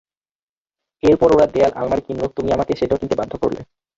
এরপর ওরা দেয়াল আলমারি কিনল, তুমি আমাকে সেটাও কিনতে বাধ্য করলে।